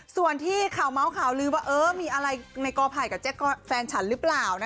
ส่วนที่ข่าวเมาส์ข่าวลือว่ามีอะไรในกอไผ่กับแฟนฉันหรือเปล่า